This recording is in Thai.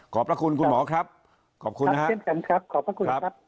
ขอบพระคุณคุณหมอครับขอบคุณนะครับครับขอบพระคุณครับครับ